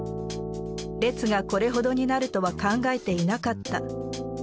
列がこれほどになるとは考えていなかった。